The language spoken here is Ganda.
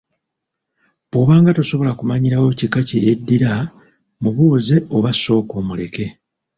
Bw’obanga tosobola kumanyirawo kika kye yeddira mubuuze oba sooka omuleke.